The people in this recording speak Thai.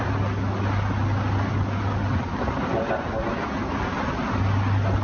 โอ้ยแล้วที่ร้องนั่นคือคนหรือผีค่ะแล้วที่ร้องนั่นคือคนหรือผีค่ะ